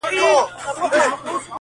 زموږ کورونه زموږ ښارونه پکښي ړنګ سي!.